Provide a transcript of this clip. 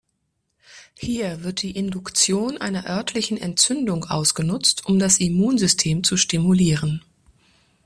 Hier wird die Induktion einer örtlichen Entzündung ausgenutzt, um das Immunsystem zu stimulieren.